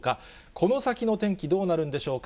この先の天気どうなるんでしょうか。